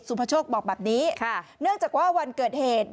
พโชคบอกแบบนี้ค่ะเนื่องจากว่าวันเกิดเหตุ